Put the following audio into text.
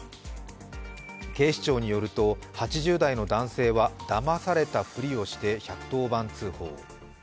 警視庁によると８０代の男性はだまされた振りをして１１０番通報。